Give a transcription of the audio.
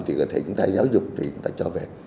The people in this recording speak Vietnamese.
giáo dục thì chúng ta cho về